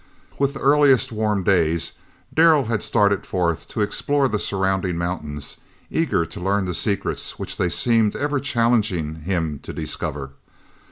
With the earliest warm days Darrell had started forth to explore the surrounding mountains, eager to learn the secrets which they seemed ever challenging him to discover.